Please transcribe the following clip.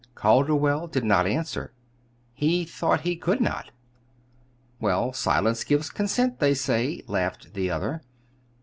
Calderwell did not answer. He thought he could not. "Well, silence gives consent, they say," laughed the other.